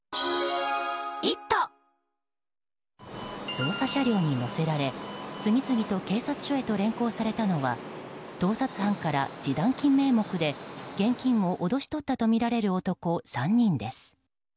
捜査車両に乗せられ次々と警察署へと連行されたのは盗撮犯から示談金名目で現金を脅し取ったとみられる男３人です。